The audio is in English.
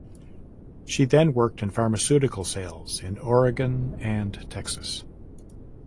She then worked in pharmaceutical sales in Oregon and Texas.